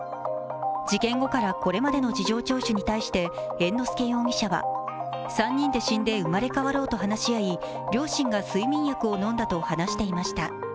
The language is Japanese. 事件後からこれまでの事情聴取に対して猿之助容疑者は、３人で死んで生まれ変わろうと話し合い両親が睡眠薬を飲んだと話していました。